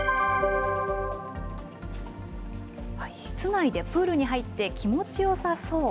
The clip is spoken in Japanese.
室内でプールに入って気持ちよさそう。